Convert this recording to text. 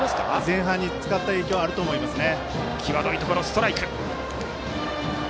前半に使った影響があると思いますね。